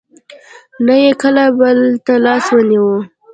نه یې کله بل ته لاس ونېوه.